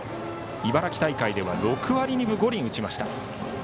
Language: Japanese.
茨城大会では６割２分５厘打ちました。